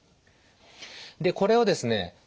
でこれをですね